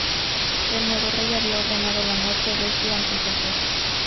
El nuevo rey había ordenado la muerte de su antecesor.